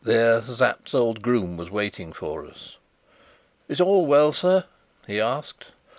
There Sapt's old groom was waiting for us. "Is all well, sir?" he asked.